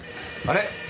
あれ？